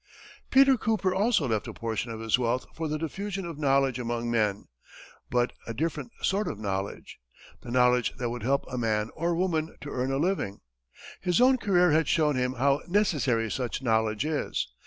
Peter Cooper also left a portion of his wealth for "the diffusion of knowledge among men," but a different sort of knowledge the knowledge that would help a man or woman to earn a living. His own career had shown him how necessary such knowledge is.